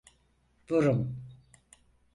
Vurun!